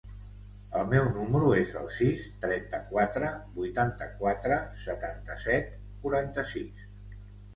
El meu número es el sis, trenta-quatre, vuitanta-quatre, setanta-set, quaranta-sis.